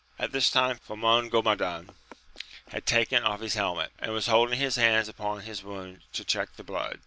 At this time Famongomadan had taken offhishelmet, and was holding his hands upon his wound to check the blood.